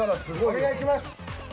お願いします。